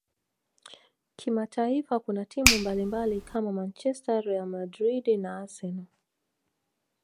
kimataifa kuna timu mbalimbali kama manchester real Madrid na arsenal